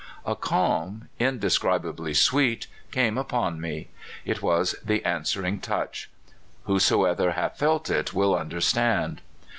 A calm indescribably sweet came upon me. It was the answering touch. (Whoso hath felt it will understand.)